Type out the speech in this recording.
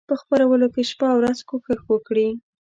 په خپرولو کې شپه او ورځ کوښښ وکړي.